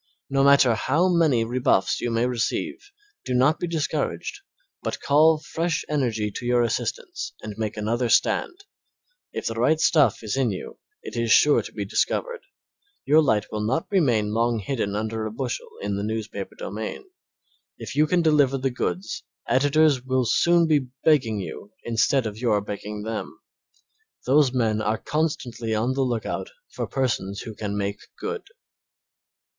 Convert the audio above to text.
No matter how many rebuffs you may receive, be not discouraged but call fresh energy to your assistance and make another stand. If the right stuff is in you it is sure to be discovered; your light will not remain long hidden under a bushel in the newspaper domain. If you can deliver the goods editors will soon be begging you instead of your begging them. Those men are constantly on the lookout for persons who can make good.